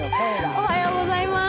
おはようざいます。